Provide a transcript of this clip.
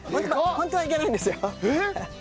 ホントはいけないんですよ。